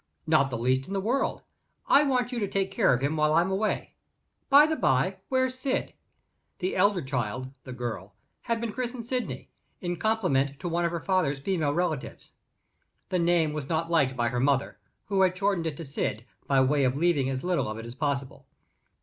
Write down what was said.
"Not the least in the world. I want you to take care of him while I am away. By the by, where's Syd?" The elder child (the girl) had been christened Sydney, in compliment to one of her father's female relatives. The name was not liked by her mother who had shortened it to Syd, by way of leaving as little of it as possible.